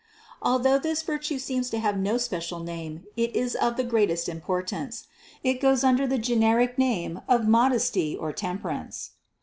Although this virtue seems to have no special name, it is of the greatest impor tance. It goes under the generic name of modesty or temperance.